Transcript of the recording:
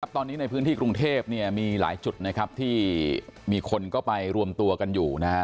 ตอนนี้ในพื้นที่กรุงเทพมีหลายจุดที่มีคนก็ไปรวมตัวกันอยู่